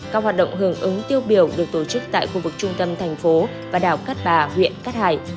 các hoạt động hưởng ứng tiêu biểu được tổ chức tại khu vực trung tâm thành phố và đảo cát bà huyện cát hải